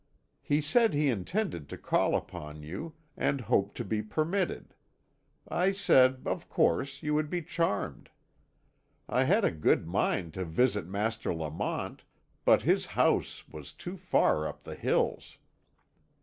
He said he intended to call upon you, and hoped to be permitted. I said, of course, you would be charmed. I had a good mind to visit Master Lamont, but his house was too far up the hills.